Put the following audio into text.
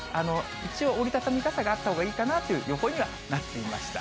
一応、折り畳み傘があったほうがいいかなという予報にはなっていました。